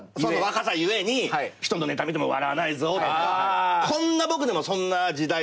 若さ故に人のネタ見ても笑わないぞとかこんな僕でもそんな時代というか。